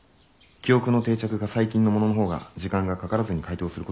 記憶の定着が最近のもののほうが時間がかからずに解答することができます」。